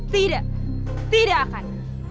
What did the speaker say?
tidak tidak akan